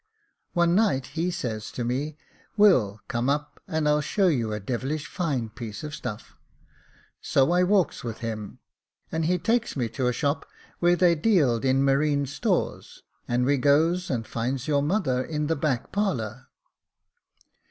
One night he says to me, ' Will, come up, and I'll show you a devilish fine piece of stuff.' So I walks with him, and he takes me to a shop where they dealed in marine stores, and we goes and finds your mother in the back parlour.